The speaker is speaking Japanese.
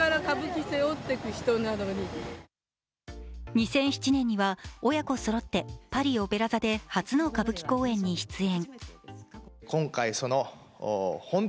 ２００７年には親子そろってパリ・オペラ座で初の歌舞伎公演に出演。